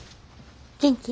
元気？